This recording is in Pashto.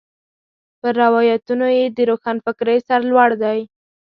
پر روایتونو یې د روښنفکرۍ سر لوړ دی.